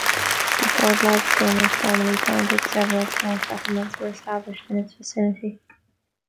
Before Gladstone was formally founded, several small settlements were established in its vicinity.